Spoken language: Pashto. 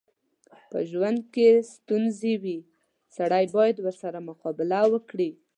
په ژوند کې ستونځې وي، سړی بايد ورسره مقابله وکړي.